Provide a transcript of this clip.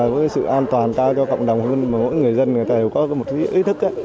có sự an toàn cao cho cộng đồng mỗi người dân có một ý thức